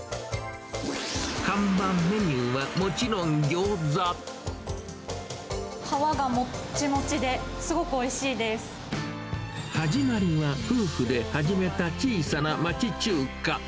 看板メニューは、もちろんギョー皮がもっちもちで、すごくお始まりは、夫婦で始めた小さな町中華。